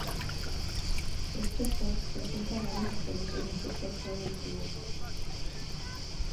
Este port presenta varias diferencias respecto al juego original.